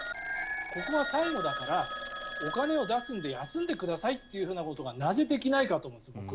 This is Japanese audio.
ここが最後だからお金を出すので休んでくださいというふうなことがなぜ、できないかと思うんです。